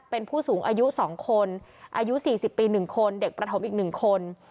เป็นผู้สูงอายุ๒คนอายุ๔๐ปี๑คนเด็กประถมอีก๑คน